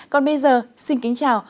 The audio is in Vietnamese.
còn bây giờ xin kính chào